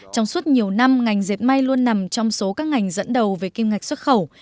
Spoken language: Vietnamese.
trong suốt nhiều năm ngành dệt may luôn nằm trong số các ngành dẫn đầu về kim ngạch xuất khẩu